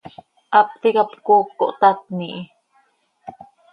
Hap ticap cooc cohtatni hi.